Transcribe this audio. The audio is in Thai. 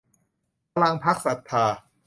พรรคพลังศรัทธา